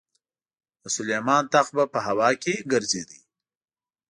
د سلیمان تخت به په هوا کې ګرځېده.